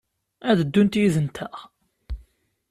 Ad d-ddunt yid-nteɣ?